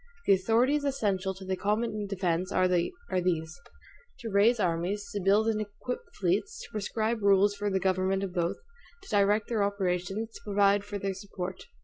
The authorities essential to the common defense are these: to raise armies; to build and equip fleets; to prescribe rules for the government of both; to direct their operations; to provide for their support.